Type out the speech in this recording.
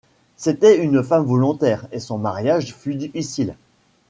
C'était une femme volontaire, et son mariage fut difficile.